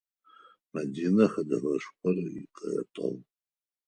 Мэдинэ хьэдэгъэшхор къыӏэтыгъ.